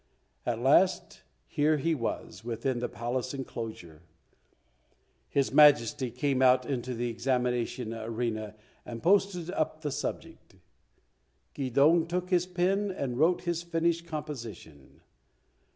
At last here he was, within the Palace enclosure. His Majesty came out into the examination arena and posted up the subject. Keydong took his pen and wrote his finished composition.